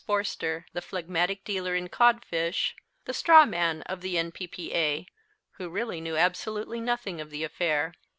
Forster, the phlegmatic dealer in codfish, the straw man of the N.P.P.A., who really knew absolutely nothing of the affair.